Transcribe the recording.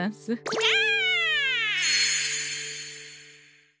ニャア！